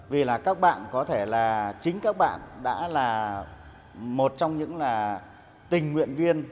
vì là các bạn có thể là chính các bạn đã là một trong những là tình nguyện viên